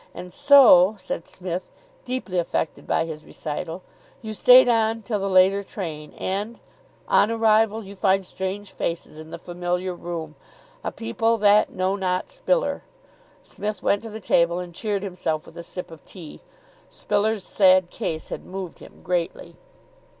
And so," said Psmith, deeply affected by his recital, "you stayed on till the later train; and, on arrival, you find strange faces in the familiar room, a people that know not Spiller." Psmith went to the table, and cheered himself with a sip of tea. Spiller's sad case had moved him greatly.